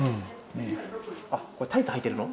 これタイツはいてるの？